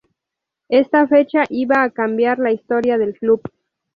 Esta fecha iba a cambiar la historia del club.